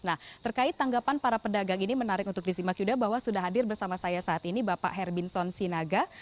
nah terkait tanggapan para pedagang ini menarik untuk disimak yuda bahwa sudah hadir bersama saya saat ini bapak herbinson sinaga